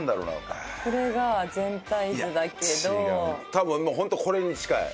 多分もうホントこれに近い。